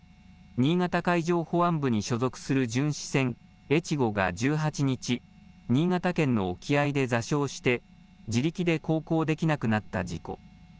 新潟海上保安部に所属する巡視船えちごが１８日、新潟県の沖合で座礁して、自力で航行できなくなった事故。